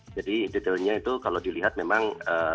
jadi detailnya itu kalau dilihat memang